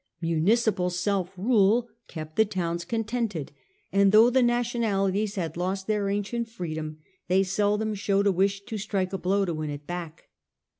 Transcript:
Municipal self rule kept the towns contented; and though the nationalities had lost their ancient freedom they seldom showed a wish to strike a blow to win it back.